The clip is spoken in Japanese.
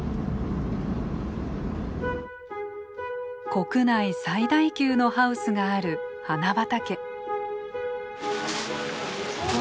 国内最大級のハウスがある花畑。